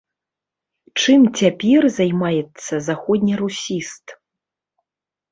Чым цяпер займаецца заходнерусіст?